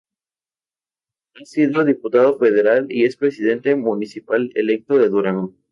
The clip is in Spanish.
Ha sido diputado federal y es presidente municipal electo de Durango.